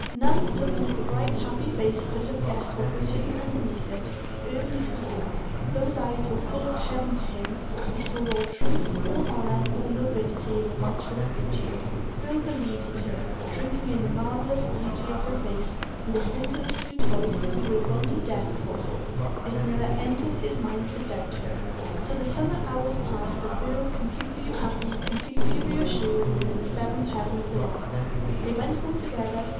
None, looking at the bright, happy face, could have guessed what was hidden underneath it Earle least of all. Those eyes were full of heaven to him; he saw all truth, all honor, all nobility in the matchless features. Earle believed in her; drinking in the marvelous beauty of her face, listening to the sweet voice, he would have gone to death for her; it never entered his mind to doubt her. So the summer hours passed, and Earle, completely happy, completely reassured, was in the seventh heaven of delight. They went home together.